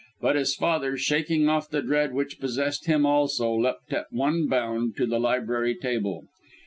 But his father, shaking off the dread which possessed him also, leapt at one bound to the library table.